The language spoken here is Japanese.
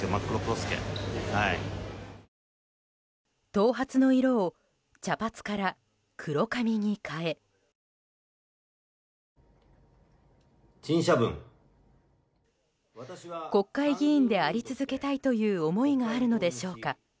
頭髪の色を茶髪から黒髪に変え国会議員であり続けたいという思いがあるのでしょうか。